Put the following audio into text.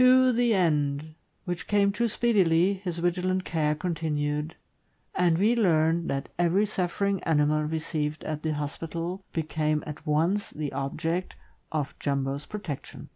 To the end — which came too speedily— his vigilant care continued, and we learned that every suffering animal received at the hospital became at once the object of Jumbo's protection.